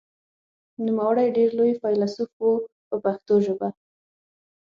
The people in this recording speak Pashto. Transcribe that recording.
نوموړی ډېر لوی فیلسوف و په پښتو ژبه.